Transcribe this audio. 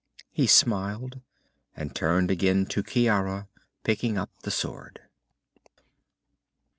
He smiled, and turned again to Ciara, picking up the sword.